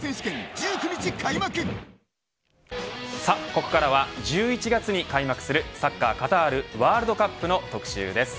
ここからは１１月に開幕するサッカーカタールワールドカップの特集です。